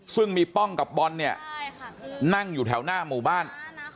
ซึ่งมีป้องกับบอลเนี่ยนั่งอยู่แถวหน้าหมู่บ้าน